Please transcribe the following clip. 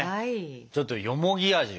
ちょっとよもぎ味を。